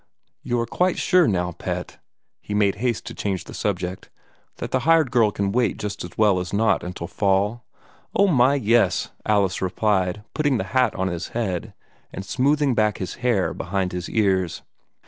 "You are quite sure, now, pet," he made haste to change the subject, "that the hired girl can wait just as well as not until fall?" "Oh, MY, yes!" Alice replied, putting the hat on his head, and smoothing back his hair behind his ears.